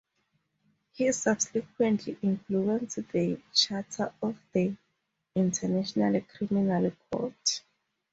He subsequently influenced the charter of the International Criminal Court.